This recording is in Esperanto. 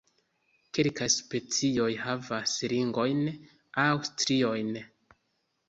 Kelkaj specioj havas ringojn aŭ striojn.